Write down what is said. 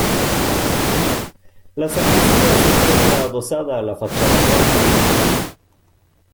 La sacristía se encuentra adosada a la fachada norte.